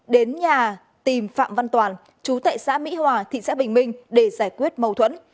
đến nhà tìm phạm văn toàn chú tại xã mỹ hòa thị xã bình minh để giải quyết mâu thuẫn